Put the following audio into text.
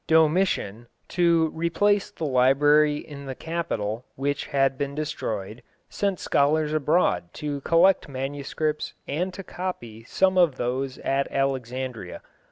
Domitian, to replace the library in the Capitol, which had been destroyed, sent scholars abroad to collect manuscripts and to copy some of those at Alexandria.